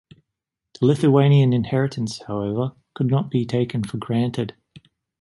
The Lithuanian inheritance, however, could not be taken for granted.